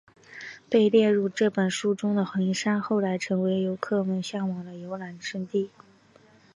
被列入这本书中的名山后来成为游客们向往的游览胜地。